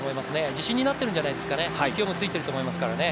自信になっているんじゃないですかね、機運もついていますからね。